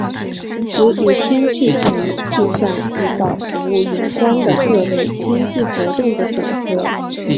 指与天气等气象预报服务有关的各类经济活动的总和。